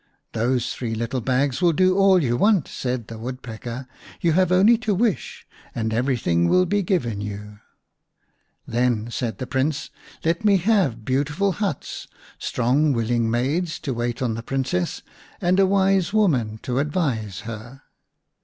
" Those three little bags will do all you want," said the Woodpecker. " You have only to wish and everything will be given you." "Then," said the Prince, "let me have beautiful huts, strong willing maids to wait on the Princess, and a wise woman to advise her."